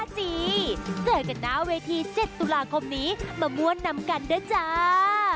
เจอกันหน้าเวที๗ตุลาคมนี้มาม่วนนำกันด้วยจ้า